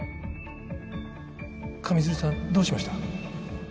上水流さんどうしました？